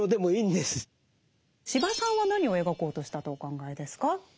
司馬さんは何を描こうとしたとお考えですか？